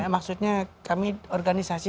maksudnya kami organisasi